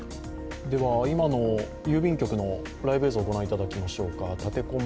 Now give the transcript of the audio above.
今の郵便局のライブ映像をご覧いただきましょうか。